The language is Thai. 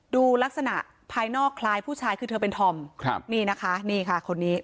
ดูลักษณะภายนอกคล้ายผู้ชายคือเธอเป็นธอมครับนี่นะคะนี่ค่ะคนนี้